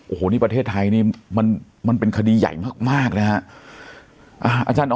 โอ้โหนี่ประเทศไทยนี่มันเป็นคดีใหญ่มากนะฮะ